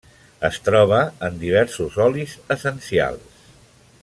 Es troba en diversos olis essencials.